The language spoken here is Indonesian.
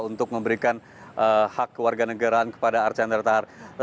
untuk memberikan hak warga negara kepada archandra tahr